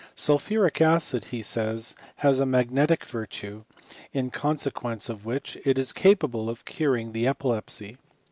Sulphuric acid, he says, has a magnetic virtue, in consequence of •which it is capable of curing the epilepsy.